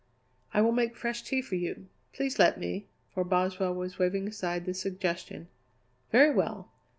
"I will make fresh tea for you please let me!" for Boswell was waving aside the suggestion. "Very well!